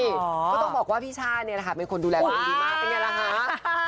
ก็ต้องบอกว่าพี่ช่าเนี่ยแหละค่ะเป็นคนดูแลตัวเองดีมากเป็นไงล่ะคะ